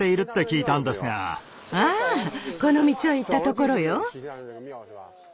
ああこの道を行ったところよ。